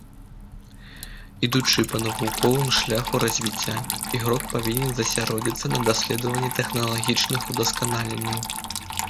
Ідучы па навуковым шляху развіцця, ігрок павінен засяродзіцца на даследаванні тэхналагічных удасканаленняў.